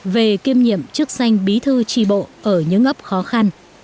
về kiêm nhiệm chức danh bí thư tri bộ ở những ấp khó khăn